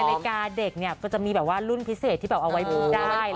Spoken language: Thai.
นาฬิกาเด็กเนี่ยก็จะมีแบบว่ารุ่นพิเศษที่แบบเอาไว้พูดได้